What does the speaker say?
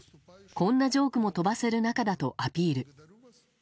こんなジョークも飛ばせる仲だとアピール。